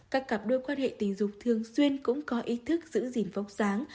các cặp đôi quan hệ tình dục thường xuyên cũng có ý thức giữ gìn vóc sáng